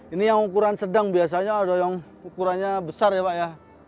ini yang ukuran sedang biasanya ada yang ukurannya besar ya pak ya